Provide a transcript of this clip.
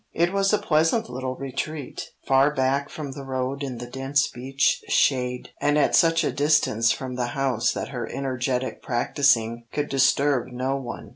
It was a pleasant little retreat, far back from the road in the dense beech shade, and at such a distance from the house that her energetic practising could disturb no one.